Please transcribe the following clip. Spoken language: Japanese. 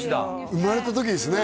生まれた時ですね